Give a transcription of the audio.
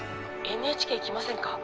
ＮＨＫ行きませんか？